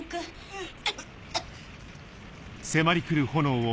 うん。